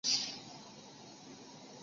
拉斯穆森是丹麦第九常见的姓氏。